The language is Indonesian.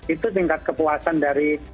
itu tingkat kepuasan dari